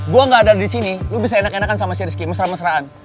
gua ga ada di sini lu bisa enak enakan sama si rizky mesra mesraan